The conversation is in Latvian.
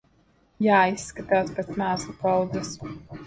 Jā, izskatās pēc mēslu kaudzes.